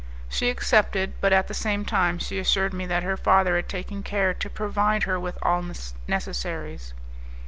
She accepted, but at the same time she assured me that her father had taken care to provide her with all necessaries.